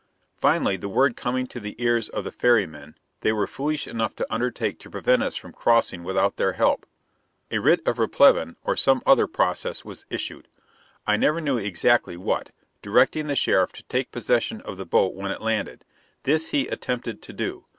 Finally, the word coming to the ears of the ferrymen, they were foolish enough to undertake to prevent us from crossing without their help. A writ of replevin or some other process was issued, I never knew exactly what, directing the sheriff to take possession of the boat when it landed. This he attempted to do.